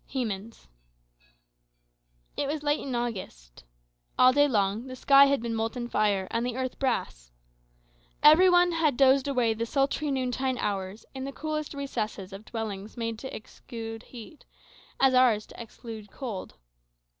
Hemans It was late in August. All day long the sky had been molten fire, and the earth brass. Every one had dozed away the sultry noontide hours in the coolest recesses of dwellings made to exclude heat, as ours to exclude cold.